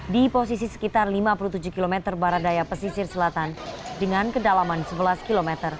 di posisi sekitar lima puluh tujuh km barat daya pesisir selatan dengan kedalaman sebelas km